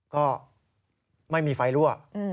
ก็ไม่มีไฟรั่ว